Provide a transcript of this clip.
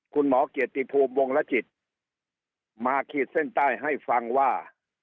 คุณหมอเกียรติภูมิวงละจิตมาขีดเส้นใต้ให้ฟังว่า